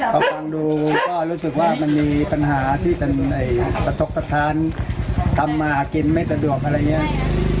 พอฟังดูก็รู้สึกว่ามันมีปัญหาที่มันกระทบกระท้านทำมากินไม่สะดวกอะไรอย่างนี้